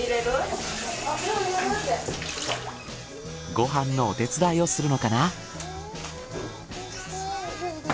ご飯のお手伝いをするのかな？